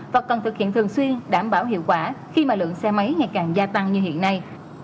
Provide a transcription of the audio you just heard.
và cần thực hiện thường xuyên đảm bảo hiệu quả khi mà lượng xe máy ngày càng gia tăng như hiện nay